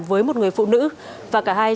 với một người phụ nữ và cả hai